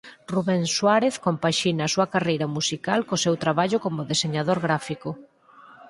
Rubén Suárez compaxina a súa carreira musical co seu traballo como deseñador gráfico.